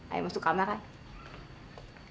ayu masuk kamar ayu